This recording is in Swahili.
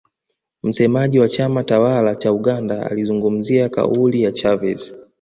msemaji wa chama tawala cha uganda alizungumzia kauli ya chavez